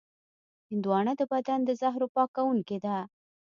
هندوانه د بدن د زهرو پاکوونکې ده.